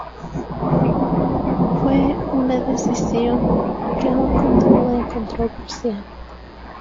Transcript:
Fue una decisión que aún continúa en controversia.